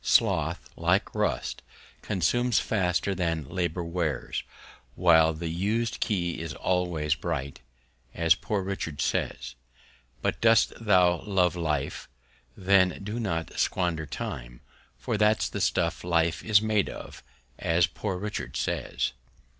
_Sloth, like Rust, consumes faster than Labor wears; while the used key is always bright, as Poor Richard says. But dost thou love Life, then do not squander Time, for that's the stuff Life is made of, as Poor Richard_ says.